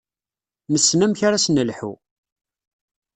Nessen amek ara s-nelḥu.